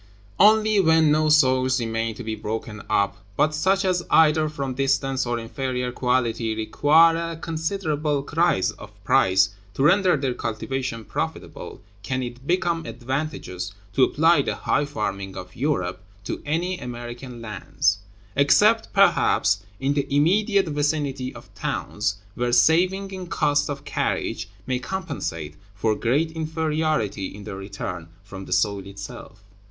(131) Only when no soils remain to be broken up, but such as either from distance or inferior quality require a considerable rise of price to render their cultivation profitable, can it become advantageous to apply the high farming of Europe to any American lands; except, perhaps, in the immediate vicinity of towns, where saving in cost of carriage may compensate for great inferiority in the return from the soil itself.